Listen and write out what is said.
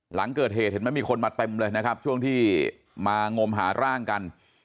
หลังเกิดเหตุเห็นไหมมีคนมาเต็มเลยนะครับช่วงที่มางมหาร่างกัน